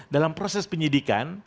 dalam proses penyidikan